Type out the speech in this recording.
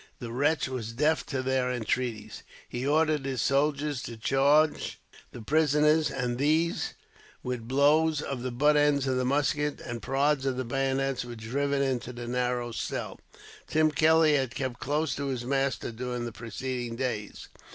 The wretch was deaf to their entreaties. He ordered his soldiers to charge the prisoners, and these, with blows of the butt ends of the muskets, and prods of the bayonets, were driven into the narrow cell. Tim Kelly had kept close to his master, during the preceding days.